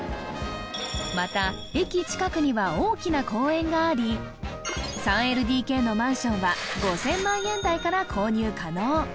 また駅近くには大きな公園があり３ＬＤＫのマンションは５０００万円台から購入可能